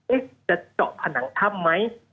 จะเจาะผนังถ้ำไหม